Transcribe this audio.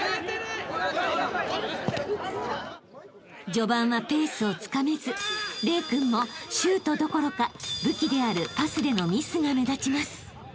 ［序盤はペースをつかめず玲君もシュートどころか武器であるパスでのミスが目立ちます］